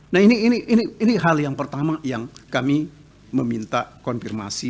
nah ini hal yang pertama yang kami meminta konfirmasi